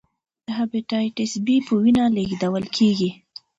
د هپاتایتس بي په وینه لېږدول کېږي.